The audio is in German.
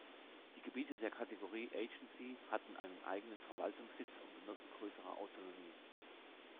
Die Gebiete der Kategorie „Agency“ hatten einen eigenen Verwaltungssitz und genossen größere Autonomie.